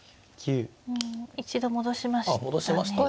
一度戻しましたね。